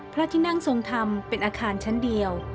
พระที่นั่งทรงธรรมเป็นอาคารชั้นเดียว